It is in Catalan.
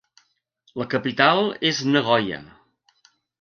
La capital és Nagoya.